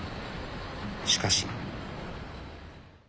しかし。